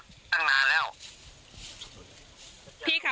พี่ขับรถส่งของอะไรแล้วกลับรถส่งนักเรียนอยู่